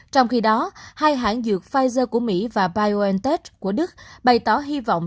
trong khi đó hai hãng dược pfizer của mỹ và biontech của đức bày tỏ hy vọng